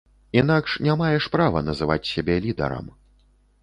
Інакш не маеш права называць сябе лідарам.